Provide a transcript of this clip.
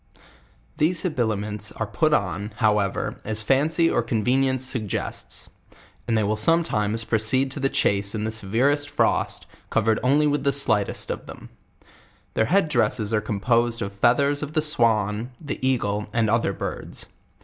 These habiliments are put on, however, as fincy or convenience suggests; and they will sometimes proceed to the chase in the severest frost, covered only with the slightest of them, Their head dresses are composed of feathers of the swan, the eagle, and other birds.